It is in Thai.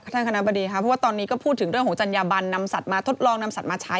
บ้างคะสนขนาดนี้ก็พูดถึงเรื่องจัญญาบันนำสัตว์มมาทดลองนำสัตว์มาใช้